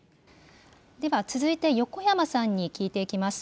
では続いて、横山さんに聞いていきます。